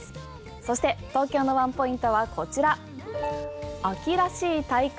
そして東京のワンポイントはこちら、秋らしい体感。